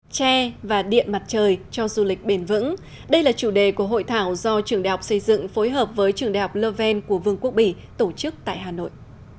tre và điện mặt trời cho du lịch bền vững đây là chủ đề của hội thảo do trường đại học xây dựng phối hợp với trường đại học learn của vương quốc bỉ tổ chức tại hà nội